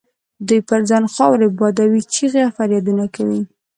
دوی پر ځان خاورې بادوي، چیغې او فریادونه کوي.